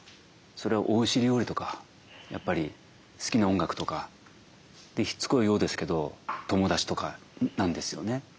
それはおいしい料理とかやっぱり好きな音楽とかしつこいようですけど友達とかなんですよね。